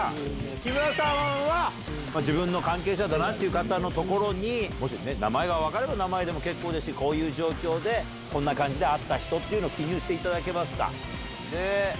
木村さんは自分の関係者だなって方の所に名前が分かれば名前でも結構ですしこういう状況でこんな感じで会った人っていうのを記入していただけますか。